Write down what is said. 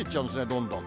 どんどん。